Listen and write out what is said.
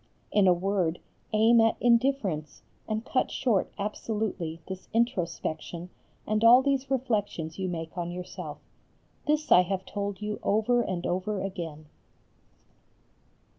In a word aim at indifference and cut short absolutely this introspection and all these reflections you make on yourself. This I have told you over and over again.